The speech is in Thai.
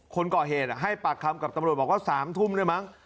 คนก่อเหตุให้ปากคำกับตำรวจบอกว่า๓ทุ่มด้วยมั้ง